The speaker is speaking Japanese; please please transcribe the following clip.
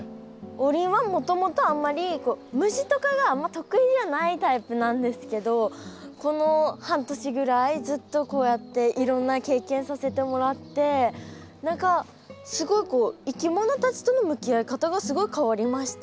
王林はもともとあんまり虫とかが得意じゃないタイプなんですけどこの半年ぐらいずっとこうやっていろんな経験させてもらって何かすごいこういきものたちとの向き合い方がすごい変わりました。